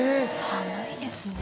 「寒いですね」